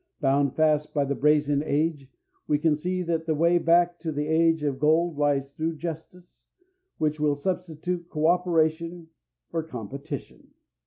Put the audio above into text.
Bound fast by the brazen age, we can see that the way back to the age of gold lies through justice, which will substitute co operation for competition.